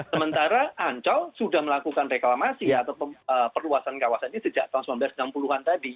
sementara ancol sudah melakukan reklamasi atau perluasan kawasan ini sejak tahun seribu sembilan ratus enam puluh an tadi